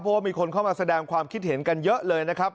เพราะว่ามีคนเข้ามาแสดงความคิดเห็นกันเยอะเลยนะครับ